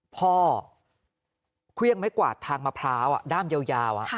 เครื่องไม้กวาดทางมะพร้าวด้ามยาว